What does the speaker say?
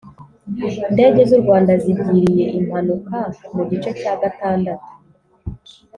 ndege z u Rwanda zigiriye impanuka mu gice cya gatandatu